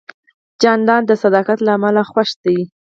جانداد د صداقت له امله خوښ دی.